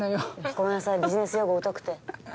ごめんなさいビジネス用語疎くて。